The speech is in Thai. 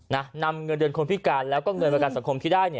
นำเงินเดือนคนพิการแล้วก็เงินประกันสังคมที่ได้เนี่ย